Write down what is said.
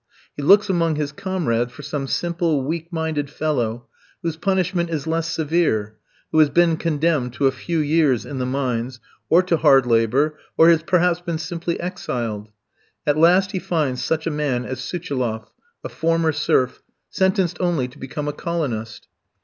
He looks among his comrades for some simple, weak minded fellow, whose punishment is less severe, who has been condemned to a few years in the mines, or to hard labour, or has perhaps been simply exiled. At last he finds such a man as Suchiloff, a former serf, sentenced only to become a colonist.